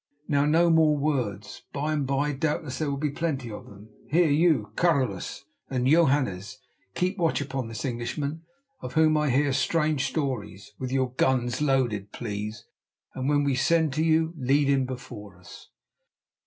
Now, no more words; by and by doubtless there will be plenty of them. Here you, Carolus and Johannes, keep watch upon this Englishman, of whom I hear strange stories, with your guns loaded, please, and when we send to you, lead him before us."